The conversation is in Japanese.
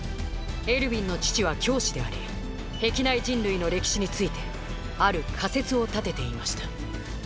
エルヴィンの父は教師であり壁内人類の歴史についてある仮説を立てていました